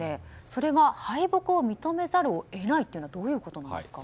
それが、敗北を認めざるを得ないというのはどういうことなんですか。